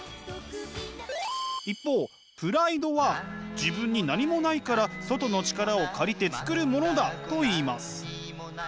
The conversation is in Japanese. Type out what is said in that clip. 一方プライドは自分に何もないから外の力を借りてつくるものだといいます。